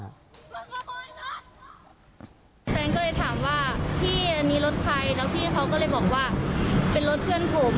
แฟนก็เลยถามว่าพี่อันนี้รถใครแล้วพี่เขาก็เลยบอกว่าเป็นรถเพื่อนผม